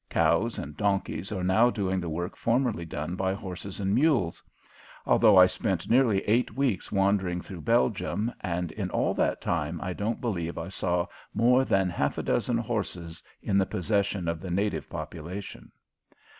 Cows and donkeys are now doing the work formerly done by horses and mules. Altogether I spent nearly eight weeks wandering through Belgium and in all that time I don't believe I saw more than half a dozen horses in the possession of the native population.